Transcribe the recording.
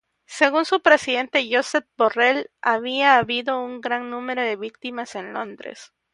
Según su Presidente, Josep Borrell, había habido un gran número víctimas en Londres.